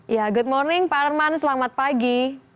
ya good morning pak arman selamat pagi